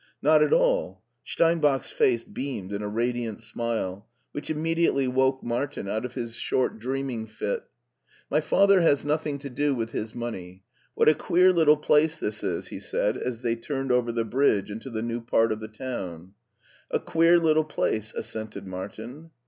" Not at all" Steinbach's face beamed in a radiant smile, which immediately woke Martin out of his short LEIPSIC 99 dreaming fit My father has nothing to do with his money. What a queer little place this is," he said as they turned over the bridge into the new part of the town. A queer little place/' assented Martin.